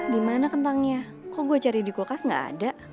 dimana kentangnya kok gue cari di kulkas gak ada